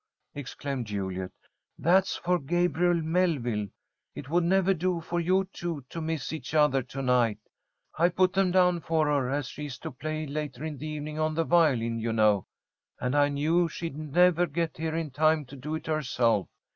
exclaimed Juliet. "That's for Gabrielle Melville. It would never do for you two to miss each other to night. I put them down for her, as she's to play later in the evening on the violin, you know, and I knew she'd never get here in time to do it herself.